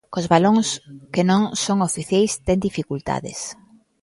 Cos balóns que non son oficiais ten dificultades.